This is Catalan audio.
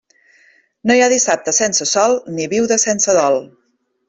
No hi ha dissabte sense sol, ni viuda sense dol.